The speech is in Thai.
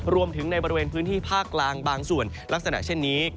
ในบริเวณพื้นที่ภาคกลางบางส่วนลักษณะเช่นนี้